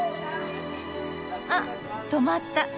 あ止まった。